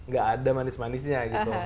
gak ada manis manisnya gitu